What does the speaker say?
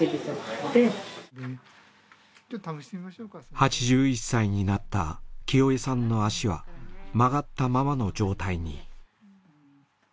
８１歳になったキヨエさんの足は曲がったままの状態に。